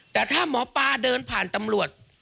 แต่ถ้าหมอปลาเดินผ่านตำรวจ